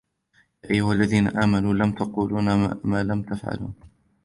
يا أيها الذين آمنوا لم تقولون ما لا تفعلون